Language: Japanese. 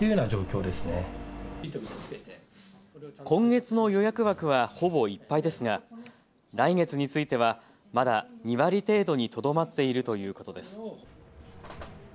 今月の予約枠はほぼいっぱいですが来月についてはまだ２割程度にとどまっているということです。